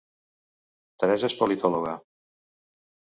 Teresa és politòloga